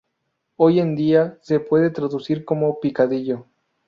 Hoy en día se puede traducir como "picadillo".